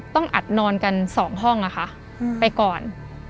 ต้องอัดนอนกัน๒ห้องนะคะไปก่อน